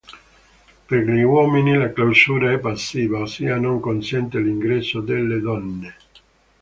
Per gli uomini la clausura è passiva, ossia non consente l'ingresso delle donne.